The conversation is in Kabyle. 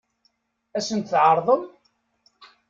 Ad sen-t-tɛeṛḍem?